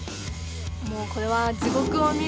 もうこれは地獄を見る。